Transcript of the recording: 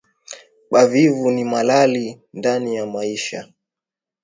Buvivu ni malali ndani ya maisha